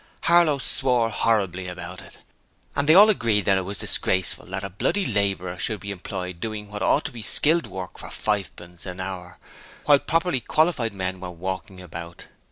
Harlow swore horribly about it, and they all agreed that it was disgraceful that a bloody labourer should be employed doing what ought to be skilled work for fivepence an hour, while properly qualified men were 'walking about'.